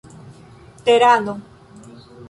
terano